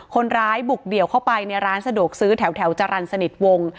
คนร้ายบุกเดี่ยวเข้าไปในร้านสะดวกซื้อแถวจรรย์สนิทวง